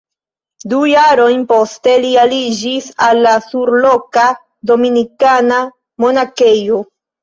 Du jarojn poste li aliĝis al la surloka dominikana monakejo.